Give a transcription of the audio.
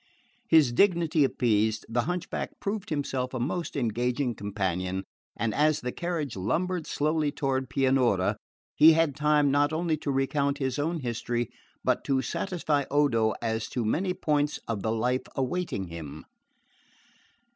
His dignity appeased, the hunchback proved himself a most engaging companion, and as the carriage lumbered slowly toward Pianura he had time not only to recount his own history but to satisfy Odo as to many points of the life awaiting him.